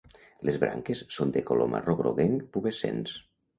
Les branques són de color marró groguenc, pubescents.